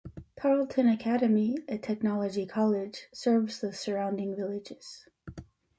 Tarleton Academy, a Technology College, serves the surrounding villages.